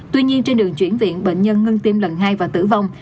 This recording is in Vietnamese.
tuy nhiên trên đường chuyển viện bệnh nhân ngưng tim lần hai và tử vong